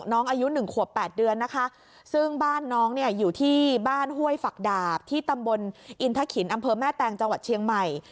อายุ๑ขวบ๘เดือนนะคะซึ่งบ้านน้องเนี่ยอยู่ที่บ้านห้วยฝักดาบที่ตำบลอินทะขินอำเภอแม่แตงจังหวัดเชียงใหม่